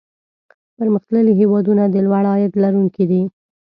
پرمختللي هېوادونه د لوړ عاید لرونکي دي.